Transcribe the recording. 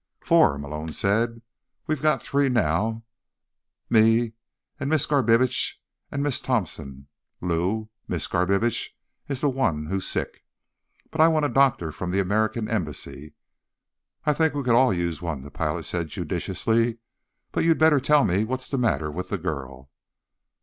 "Four," Malone said. "We've got three now; me and Miss Garbitsch and Miss Thompson. Lou—Miss Garbitsch is the one who's sick. But I want a doctor from the American Embassy." "I think we could all use one," the pilot said judiciously. "But you'd better tell me what's the matter with the girl."